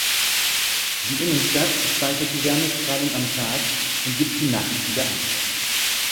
Die Innenstadt speichert die Wärmestrahlung am Tag und gibt sie nachts wieder ab.